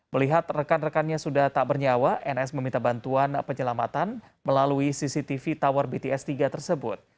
melihat rekan rekannya sudah tak bernyawa ns meminta bantuan penyelamatan melalui cctv tower bts tiga tersebut